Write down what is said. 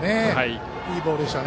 いいボールでした。